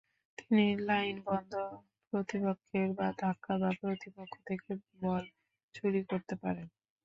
তিনি লাইন বন্ধ প্রতিপক্ষের বা ধাক্কা বা প্রতিপক্ষ থেকে বল চুরি করতে পারেন।